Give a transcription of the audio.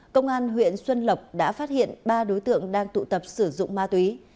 công an huyện xuân lộc đã phát hiện ba đối tượng đang tụ tập sử dụng ma túy